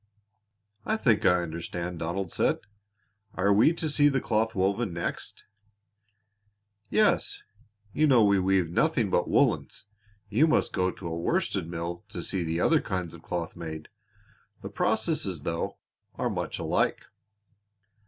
"I think I understand," Donald said. "Are we to see the cloth woven next?" "Yes. You know we weave nothing but woolens; you must go to a worsted mill to see the other kinds of cloth made. The processes, though, are much alike."